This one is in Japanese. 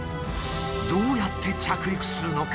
どうやって着陸するのか？